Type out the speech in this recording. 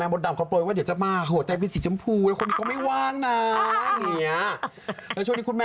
ยิ่งกว่าใช่ไหมเขาใช้คำว่าอะไรนะ